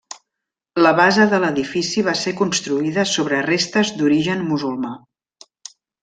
La base de l'edifici va ser construïda sobre restes d'origen musulmà.